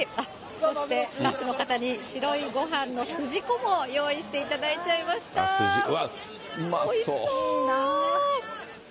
そして、スタッフの方に白いごはんのすじこも用意していただいちゃいましうわっ、うまそう。